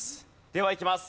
ではいきます。